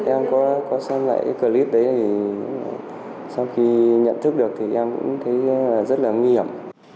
em có xem lại cái clip đấy thì sau khi nhận thức được thì em cũng thấy rất là nguy hiểm